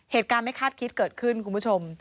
เหตุการณ์ไม่คาดคิดเกิดขึ้นคุณผู้ชม